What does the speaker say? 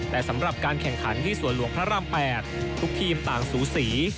แต่สำหรับการแข่งขันที่สวนหลวงพระราม๘ทุกทีมต่างสูสี